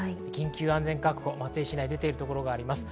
緊急安全確保、松江市に出ているところがあります。